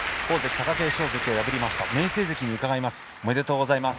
貴景勝関を破りました明生関に伺います。